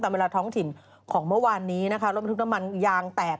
เวลาท้องถิ่นของเมื่อวานนี้นะคะรถบรรทุกน้ำมันยางแตก